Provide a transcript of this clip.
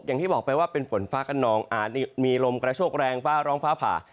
อย่างที่บอกไปว่าเป็นฝนฟ้ากระนองอาจมีลมกระโชคแรงฟ้าร้องฟ้าผ่า